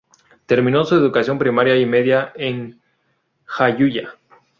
Terminó su educación primaria y media en Jayuya.